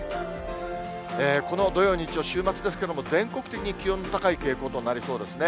この土曜、日曜、週末ですけれども、全国的に気温の高い傾向となりそうですね。